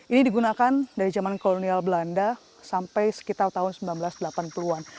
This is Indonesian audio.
ini digunakan dari zaman kolonial belanda sampai sekitar tahun seribu sembilan ratus delapan puluh an